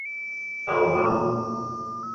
壽包